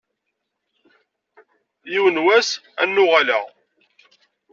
Yiwen n wass ad n-uɣaleɣ.